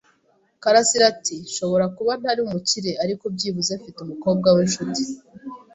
karasira ati: "Nshobora kuba ntari umukire, ariko byibuze mfite umukobwa w'inshuti."